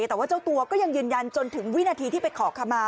แต่ว่าเจ้าตัวก็ยังยืนยันจนถึงวินาทีที่ไปขอขมา